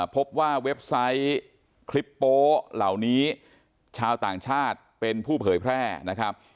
พบว่าเว็บไซต์คลิปโป๊เหล่านี้ชาวต่างชาติเป็นผู้เผยแพร่นะครับ